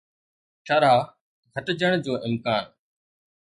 شرح گهٽجڻ جو امڪان